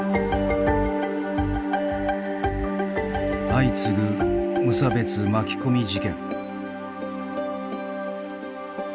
相次ぐ無差別巻き込み事件。